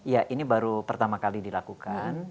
ya ini baru pertama kali dilakukan